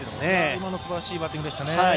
今の、すばらしいバッティングでしたね。